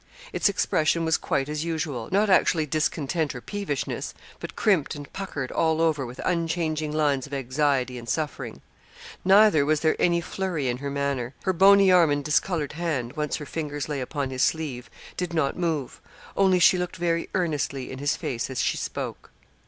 Its expression was quite as usual not actually discontent or peevishness, but crimped and puckered all over with unchanging lines of anxiety and suffering. Neither was there any flurry in her manner her bony arm and discoloured hand, once her fingers lay upon his sleeve, did not move only she looked very earnestly in his face as she spoke.